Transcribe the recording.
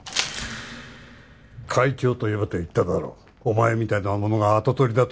会長と呼べと言っただろうお前みたいな者が跡取りだと